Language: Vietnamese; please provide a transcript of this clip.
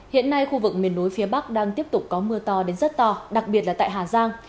hiện nay khu vực miền núi phía bắc đang tiếp tục có mưa to đến rất to đặc biệt là tại hà giang